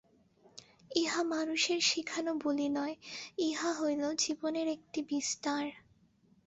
ইহা মানুষের শিখান বুলি নয়, ইহা হইল জীবনের একটি বিস্তার।